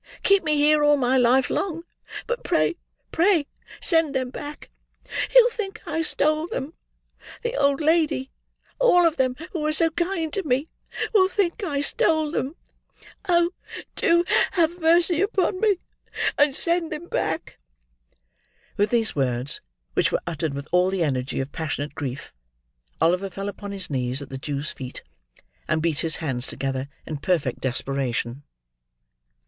Keep me here all my life long; but pray, pray send them back. He'll think I stole them; the old lady: all of them who were so kind to me: will think I stole them. Oh, do have mercy upon me, and send them back!" With these words, which were uttered with all the energy of passionate grief, Oliver fell upon his knees at the Jew's feet; and beat his hands together, in perfect desperation.